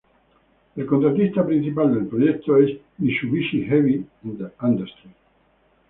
El contratista principal del proyecto es Mitsubishi Heavy Industries.